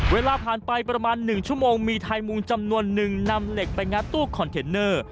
เวลาผ่านไปประมาณ๑ชั่วโมงมีไทยมุงจำนวนนึงนำเหล็กไปงัดตู้คอนเทนเนอร์